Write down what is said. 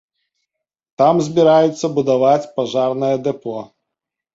Там збіраюцца будаваць пажарнае дэпо.